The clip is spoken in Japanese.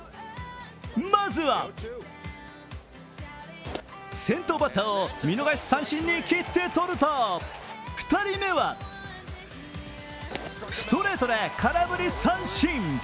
まずは先頭バッターを見逃し三振に切ってとると、２人目はストレートで空振り三振。